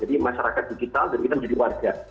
jadi masyarakat digital dan kita menjadi warga